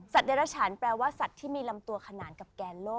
เดรฉันแปลว่าสัตว์ที่มีลำตัวขนานกับแกนโลก